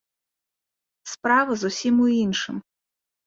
Справа зусім у іншым.